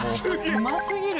うま過ぎる。